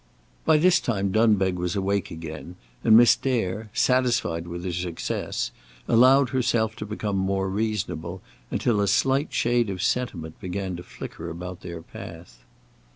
By this time Dunbeg was awake again, and Miss Dare, satisfied with her success, allowed herself to become more reasonable, until a slight shade of sentiment began to flicker about their path.